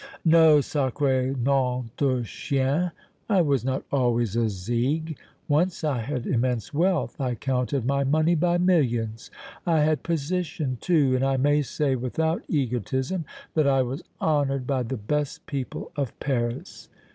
"No, sacré nom d' un chien, I was not always a zigue! Once I had immense wealth, I counted my money by millions! I had position, too, and I may say without egotism that I was honored by the best people of Paris!"